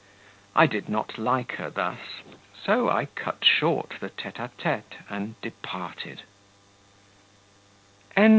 I did not like her thus, so I cut short the TETE A TETE and departed.